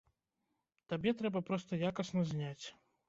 Табе трэба проста якасна зняць.